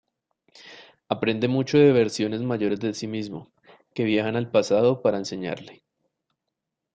Aprende mucho de versiones mayores de sí mismo, que viajan al pasado para enseñarle.